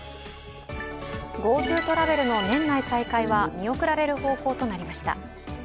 ＧｏＴｏトラベルの年内再開は見送られる方向となりました。